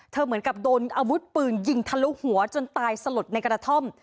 เหมือนกับโดนอาวุธปืนยิงทะลุหัวจนตายสลดในกระท่อม